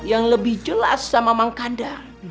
yang lebih jelas sama mak kandar